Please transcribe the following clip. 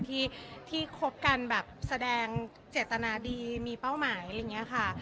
ที่คบกันแบบแสดงเจตนาดีมีเป้าหมายอะไรอย่างนี้ค่ะ